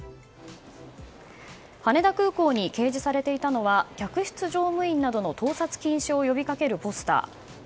羽田空港に掲示されていたのは客室乗務員などの盗撮禁止を呼びかけるポスター。